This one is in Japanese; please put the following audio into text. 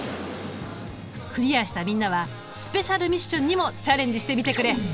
クリアしたみんなはスペシャルミッションにもチャレンジしてみてくれ。